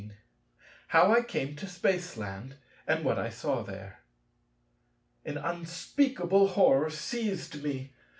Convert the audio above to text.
§ 18 How I came to Spaceland, and what I saw there An unspeakable horror seized me.